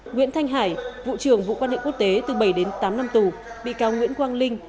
nguyễn thanh hải vụ trưởng vụ quan hệ quốc tế từ bảy đến tám năm tù bị cáo nguyễn quang linh